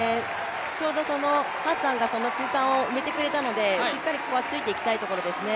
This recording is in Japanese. ちょうどハッサンがその空間を埋めてくれたのでしっかりここはついていきたいところですね。